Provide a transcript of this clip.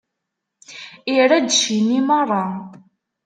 Irra-d cci-nni meṛṛa.